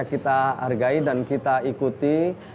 kita hargai dan kita ikuti